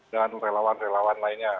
dan relawan relawan lainnya